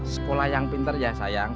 sekolah yang pintar ya sayang